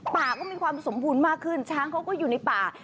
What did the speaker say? ป่าก็มีความสมบูรณ์มากขึ้นช้างเขาก็อยู่ในป่า